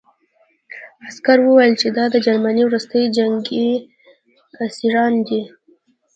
عسکر وویل چې دا د جرمني وروستي جنګي اسیران دي